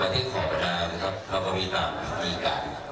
วันที่ขอบรรดานะครับเราก็มีตามพิธีการ